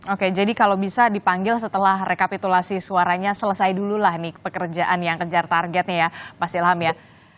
oke jadi kalau bisa dipanggil setelah rekapitulasi suaranya selesai dulu lah nih pekerjaan yang kejar targetnya ya mas ilham ya